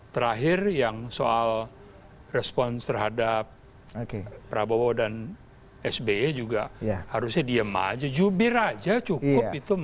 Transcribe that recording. terakhir yang soal respons terhadap prabowo dan sby juga harusnya diem aja jubir aja cukup itu